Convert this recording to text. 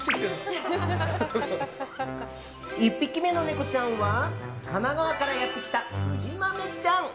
１匹目のネコちゃんは神奈川からやってきた藤豆ちゃん。